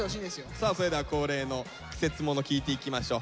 さあそれでは恒例の季節もの聞いていきましょう。